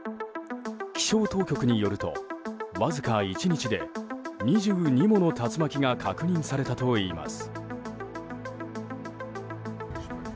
気象当局によると、わずか１日で２２もの竜巻が確認されたといいます。